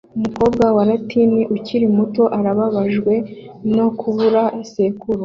Umukobwa wa latin ukiri muto arababajwe no kubura sekuru